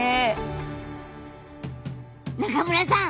中村さん！